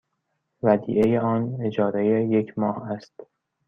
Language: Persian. ودیعه آن اجاره یک ماه است.